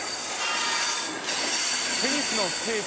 テニスの聖地